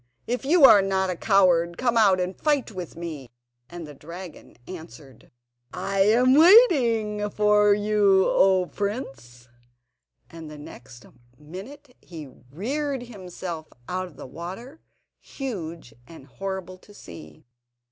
if you are not a coward, come out and fight with me!" And the dragon answered: "I am waiting for you, O prince," and the next minute he reared himself out of the water, huge and horrible to see.